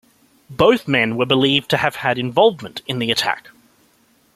Both men were believed to have had involvement in the attack.